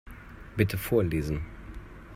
Bitte vorlesen.